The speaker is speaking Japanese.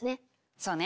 そうね。